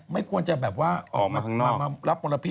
ไม่ควรจะออกมารับมลพิษ